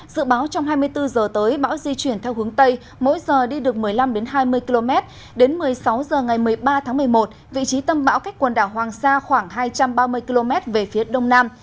dự báo trong hai mươi bốn h tới bão di chuyển theo hướng tây mỗi giờ đi được một mươi năm hai mươi km đến một mươi sáu h ngày một mươi ba tháng một mươi một vị trí tâm bão cách quần đảo hoàng sa khoảng hai trăm ba mươi km về phía đông nam